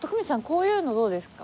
こういうのどうですか？